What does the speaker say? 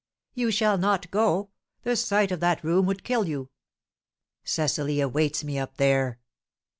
"You shall not go; the sight of that room would kill you!" "Cecily awaits me up there!"